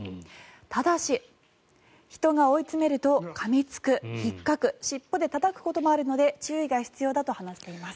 ただし、人が追い詰めるとかみつく、ひっかく尻尾でたたくこともあるので注意が必要だと話しています。